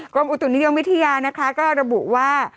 อุตุนิยมวิทยานะคะก็ระบุว่า